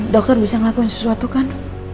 dokter bisa ngelakuin sesuatu kan